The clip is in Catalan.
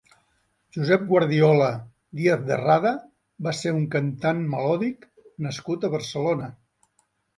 Josep Guardiola Díaz de Rada va ser un cantant melòdic nascut a Barcelona.